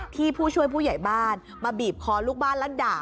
ผู้ช่วยผู้ใหญ่บ้านมาบีบคอลูกบ้านแล้วด่า